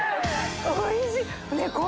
おいしい！